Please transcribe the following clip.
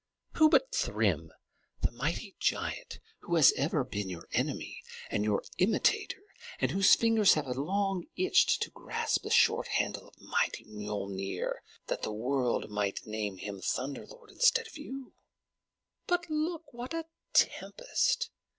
Who but Thrym, the mighty giant who has ever been your enemy and your imitator, and whose fingers have long itched to grasp the short handle of mighty Miölnir, that the world may name him Thunder Lord instead of you. But look! What a tempest!